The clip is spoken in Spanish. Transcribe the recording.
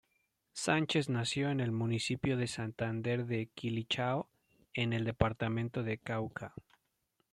Sánchez nació en el municipio de Santander de Quilichao en el departamento del Cauca.